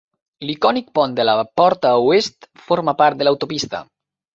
L'icònic pont de la porta oest forma part de l'autopista.